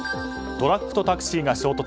トラックとタクシーが衝突。